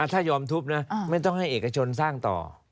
ถ้ายอมทุบนะไม่ต้องให้เอกชนสร้างต่อ